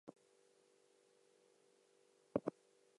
There was a thermometer with Donald's head on the bottom.